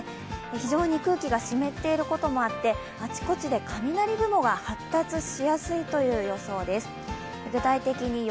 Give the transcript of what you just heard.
非常に空気が湿っていることもあってあちこちで雷雲が発達しやすいです。